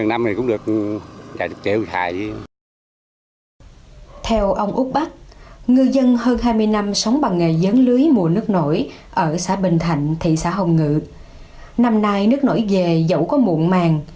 cả một dãy hồng ngự tân châu châu đốc người dân đã chốm lo âu